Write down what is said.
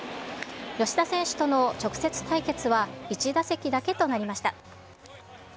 吉田選手との直接対決は１打席だけとなりました。